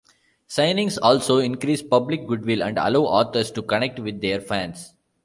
Signings also increase public goodwill and allow authors to connect with their fans.